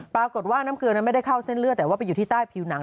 ปรากฏว่าน้ำเกลือนั้นไม่ได้เข้าเส้นเลือดแต่ว่าไปอยู่ที่ใต้ผิวหนัง